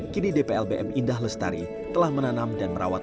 kini dplbm indah lestari telah menanam dan merawat